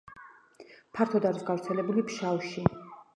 ფართოდ არის გავრცელებული ფშავში.